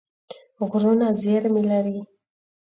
غرونه زېرمې لري.